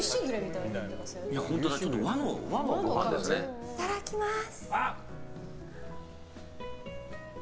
いただきます。